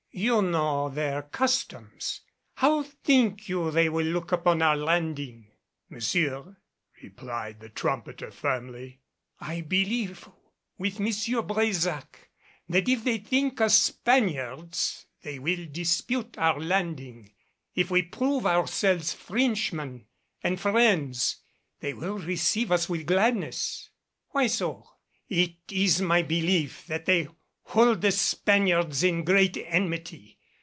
"You know their customs. How think you they will look upon our landing?" "Monsieur," replied the trumpeter firmly, "I believe with M. de Brésac that if they think us Spaniards they will dispute our landing. If we prove ourselves Frenchmen and friends, they will receive us with gladness." "Why so?" "It is my belief that they hold the Spaniards in great enmity.